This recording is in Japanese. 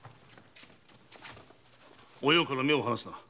おようから目を離すな。